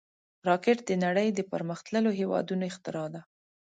راکټ د نړۍ د پرمختللو هېوادونو اختراع ده